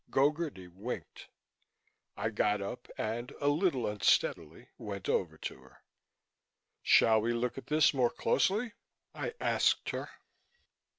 Gogarty winked. I got up and, a little unsteadily, went over to her. "Shall we look at this more closely?" I asked her.